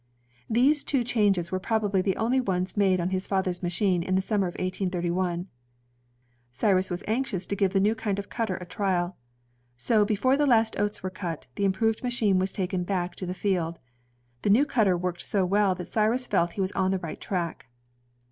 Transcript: These two changes were probably the only ones made on his father's machine in the smnmer of 1831. Cyrus was anxious to give the new kind of cutter a trial. So before the last oats were cut, the improved machine was taken back to the field. The new cutter worked so well that Cyrus felt he was on the right track.